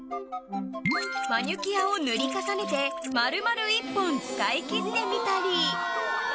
マニキュアを塗り重ねて丸々１本使い切ってみたり。